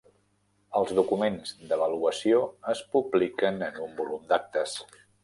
Els documents d'avaluació es publiquen en un volum d'actes.